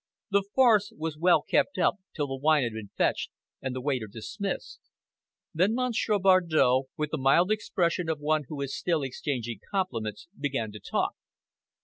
The farce was well kept up till the wine had been fetched and the waiter dismissed. Then Monsieur Bardow, with the mild expression of one who is still exchanging compliments, began to talk.